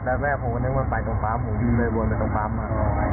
แต่แม่ผมก็นึกว่าไปตรงฟาร์มผมก็เลยวนไปตรงฟาร์มมา